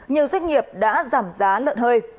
nhiều doanh nghiệp đã giảm giá lợn hơi